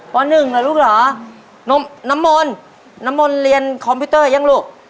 ป๑เหรอลูกเหรอน้ำมนต์น้ำมนต์เรียนคอมพิวเตอร์ยังลูก